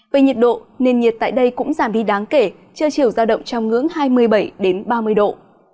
về nhiệt độ nền nhiệt tại đây cũng giảm đi đáng kể chưa chiều giao động trong ngưỡng hai mươi bảy ba mươi độ